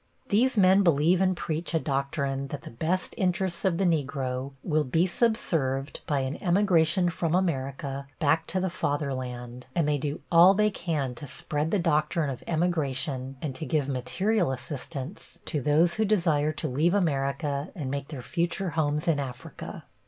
These men believe and preach a doctrine that the best interests of the Negro will be subserved by an emigration from America back to the Fatherland, and they do all they can to spread the doctrine of emigration and to give material assistance to those who desire to leave America and make their future homes in Africa.